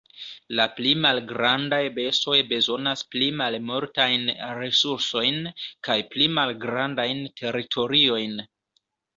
La pli malgrandaj bestoj bezonas pli malmultajn resursojn kaj pli malgrandajn teritoriojn.